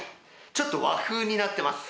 ちょっと和風になってます。